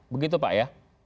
begitu pak ya